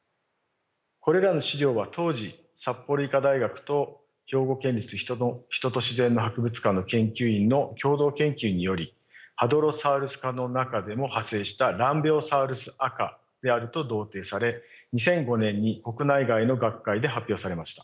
これらの資料は当時札幌医科大学と兵庫県立人と自然の博物館の研究員の共同研究によりハドロサウルス科の中でも派生したランベオサウルス亜科であると同定され２００５年に国内外の学会で発表されました。